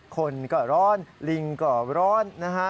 คนก็ร้อนลิงก็ร้อนนะฮะ